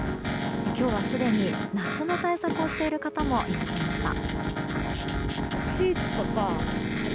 今日はすでに夏の対策をしている方もいらっしゃいました。